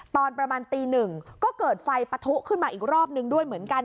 ตอนประมาณตีหนึ่งก็เกิดไฟปะทุขึ้นมาอีกรอบนึงด้วยเหมือนกัน